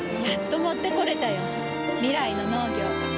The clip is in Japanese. やっと持ってこれたよ。未来の農業。